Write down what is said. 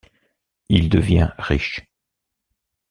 Il devient riche.